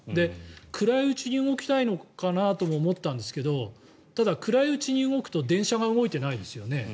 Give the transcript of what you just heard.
暗いうちに動きたいのかなとも思ったんですけどただ、暗いうちに動くと電車が動いてないですよね。